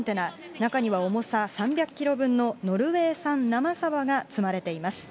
中には重さ３００キロ分のノルウェー産生サバが積まれています。